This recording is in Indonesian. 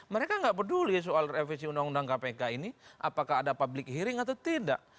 mereka nggak peduli soal revisi undang undang kpk ini apakah ada public hearing atau tidak